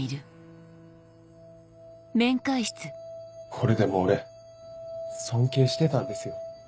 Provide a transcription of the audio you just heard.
これでも俺尊敬してたんですよ